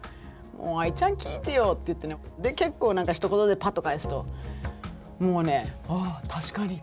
もう「ＡＩちゃん聞いてよ」って言ってねで結構何かひと言でパッと返すともうね「ああ確かに」って言ってね